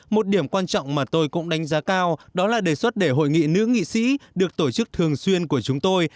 một điểm quan trọng mà tôi cũng đánh giá cao đó là đề xuất để hội nghị nữ nghị sĩ được tổ chức thường xuyên của chúng tôi